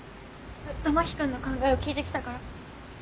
ずっと真木君の考えを聞いてきたから。